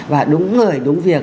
và đúng người đúng việc